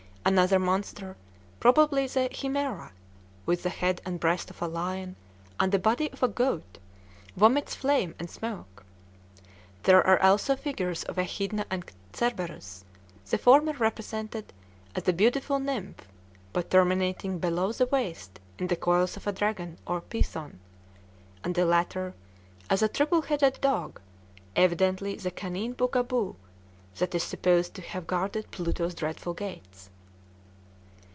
Another monster, probably the Chimæra, with the head and breast of a lion and the body of a goat, vomits flame and smoke. There are also figures of Echidna and Cerberus, the former represented as a beautiful nymph, but terminating below the waist in the coils of a dragon or python; and the latter as a triple headed dog, evidently the canine bugaboo that is supposed to have guarded Pluto's dreadful gates.